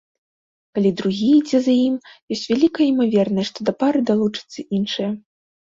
Калі другі ідзе за ім, ёсць вялікая імавернасць, што да пары далучацца іншыя.